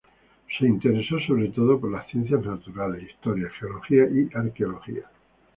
Se interesó sobre todo por las ciencias naturales, historia, geología y arqueología.